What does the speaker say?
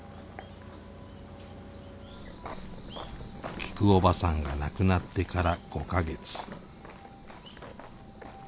きくおばさんが亡くなってから５か月。